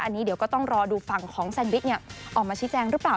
อันนี้เดี๋ยวก็ต้องรอดูฝั่งของแซนวิชออกมาชี้แจงหรือเปล่า